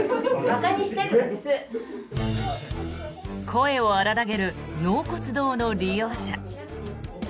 声を荒らげる納骨堂の利用者。